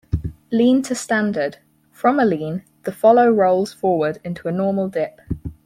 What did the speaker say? "Lean to Standard:" From a lean, the follow rolls forward into a normal dip.